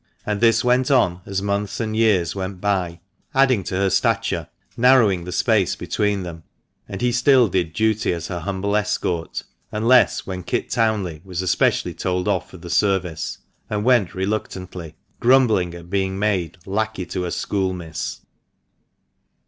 And this went on as months and years went by, adding to her stature, narrowing the space between them ; and he still did duty as her humble escort, unless when Kit Townley was especially told off for the service, and went reluctantly, grumbling at being made " lackey to a school miss."